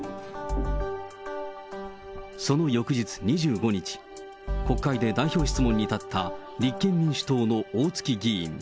その翌日２５日、国会で代表質問に立った立憲民主党の大築議員。